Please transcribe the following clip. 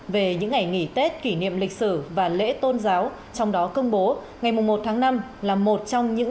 về những ngày nghỉ tết kỷ niệm lịch sử và lễ tôn giáo trong đó công bố ngày một tháng năm là một trong những